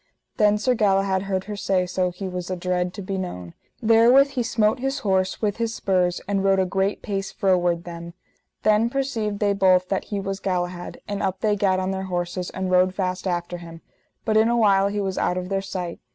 Then Sir Galahad heard her say so he was adread to be known: therewith he smote his horse with his spurs and rode a great pace froward them. Then perceived they both that he was Galahad; and up they gat on their horses, and rode fast after him, but in a while he was out of their sight.